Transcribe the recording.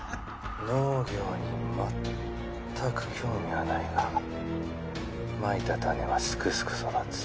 農業にまったく興味はないがまいた種はすくすく育つ。